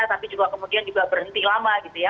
tapi juga kemudian juga berhenti lama gitu ya